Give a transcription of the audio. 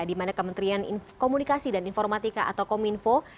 di mana kementerian komunikasi dan informatika atau kominfo